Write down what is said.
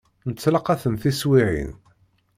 Nettlaqa-ten tiswiεin.